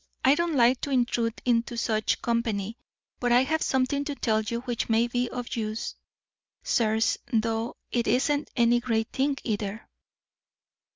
I don't like to intrude into such company, but I have something to tell you which may be of use, sirs, though it isn't any great thing, either."